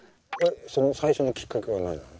その最初のきっかけは何なの？